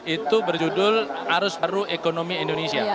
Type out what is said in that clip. itu berjudul arus baru ekonomi indonesia